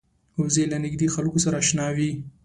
وزې له نږدې خلکو سره اشنا وي